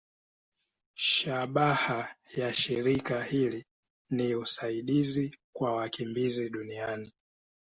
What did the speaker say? Shabaha ya shirika hili ni usaidizi kwa wakimbizi duniani.